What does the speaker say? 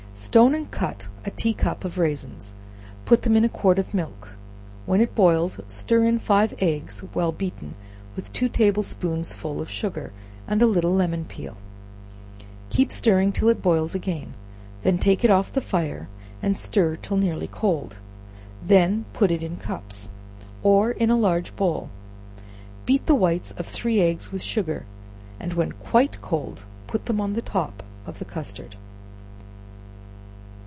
Stone and cut a tea cup of raisins, put them in a quart of milk; when it boils stir in five eggs well beaten, with two table spoonsful of sugar, and a little lemon peel; keep stirring till it boils again, then take it off the fire, and stir till nearly cold; when put it in cups, or in a large bowl; beat the whites of three eggs with sugar, and when quite cold put them on the top of the custard.